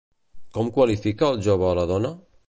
Com qualifica el jove a la dona?